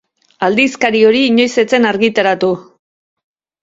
Aldizkari hori inoiz ez zen argitaratu.